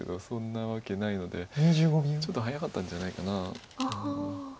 そんなわけないのでちょっと早かったんじゃないかな。